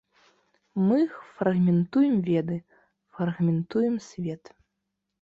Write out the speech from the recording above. Мы фрагментуем веды, фрагментуем свет.